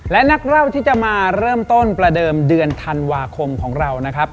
และนักเล่าที่จะมาเริ่มต้นประเดิมเดือนธันวาคมของเรานะครับ